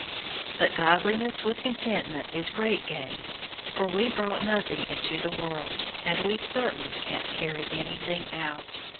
"} 006:006 But godliness with contentment is great gain. 006:007 For we brought nothing into the world, and we certainly can't carry anything out.